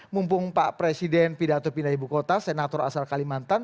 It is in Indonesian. mumpung pak presiden pidato pindah ibu kota senator asal kalimantan